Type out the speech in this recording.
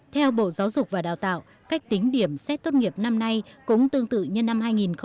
theo bộ giáo dục và đào tạo cách tính điểm xét tốt nghiệp năm nay cũng tương tự như năm hai nghìn một mươi chín